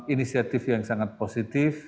inisiatif yang sangat positif